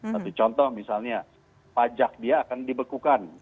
satu contoh misalnya pajak dia akan dibekukan